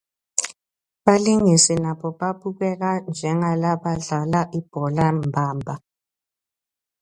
Balingisi nabo babukeka njengalabadlala ibhola mbamba.